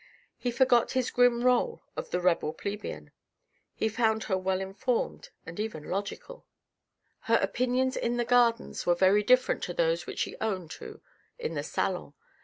He forgot his grim role of the rebel plebian. He found her well informed and even logical. Her opinions in the gardens were very different to those which she owned to in the salon.